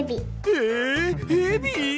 えヘビ？